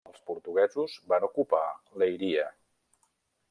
Els portuguesos van ocupar Leiria.